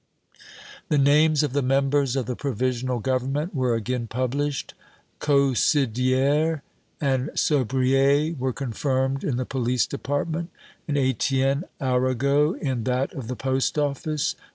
The names of the members of the Provisional Government were again published. Caussidière and Sobrier were confirmed in the police department, and Étienne Arago in that of the post office.